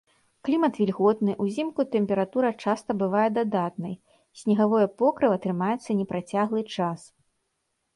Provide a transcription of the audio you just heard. Клімат вільготны, узімку тэмпература часта бывае дадатнай, снегавое покрыва трымаецца непрацяглы час.